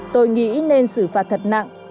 tôi nghĩ nên xử phạt thật nặng